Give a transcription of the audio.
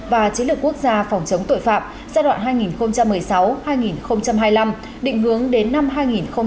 và chiến lược quốc gia phòng chống tội phạm giai đoạn hai nghìn một mươi sáu hai nghìn hai mươi năm định hướng đến năm hai nghìn ba mươi